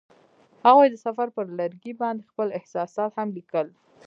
هغوی د سفر پر لرګي باندې خپل احساسات هم لیکل.